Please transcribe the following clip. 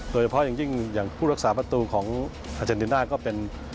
โดยเฉพาะอย่างยิ่งอย่างผู้รักษาประตูของอาเจนติน่าก็เป็น